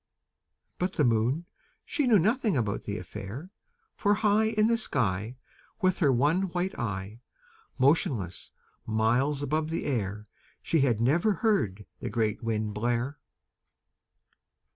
But the Moon, she knew nothing about the affair, For high In the sky, With her one white eye, Motionless, miles above the air, She had never heard the great Wind blare.